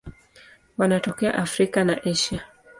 Wanatokea Afrika na Asia.